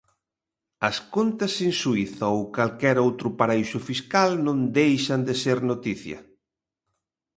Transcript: As contas en Suíza ou calquera outro paraíso fiscal non deixan de ser noticia.